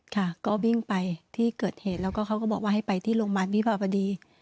ค่ะก็วิ่งไปที่เกิดเหตุแล้วก็เขาก็บอกว่าให้ไปที่โรงพยาบาลวิภาบดี